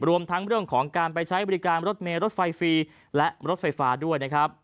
รวมทั้งเรื่องของการไปใช้บริการรถเมลรถไฟฟรีและรถไฟฟ้าด้วยนะครับ